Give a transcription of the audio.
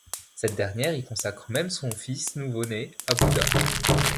Cette dernière y consacre même son fils nouveau né à Bouddha.